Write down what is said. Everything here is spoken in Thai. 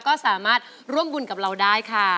ก็สามารถร่วมบุญกับเราได้ค่ะ